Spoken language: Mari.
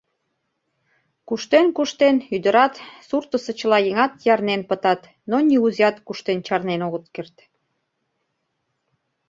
Куштен-куштен, ӱдырат, суртысо чыла еҥат ярнен пытат, но нигузеат куштен чарнен огыт керт.